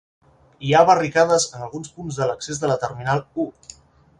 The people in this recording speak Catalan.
Hi ha barricades en alguns punts de l’accés de la terminal u.